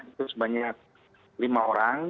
itu sebanyak lima orang